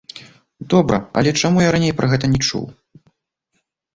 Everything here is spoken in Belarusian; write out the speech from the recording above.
Добра, але чаму я раней пра гэта не чуў?